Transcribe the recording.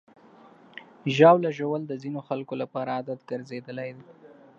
ژاوله ژوول د ځینو خلکو لپاره عادت ګرځېدلی.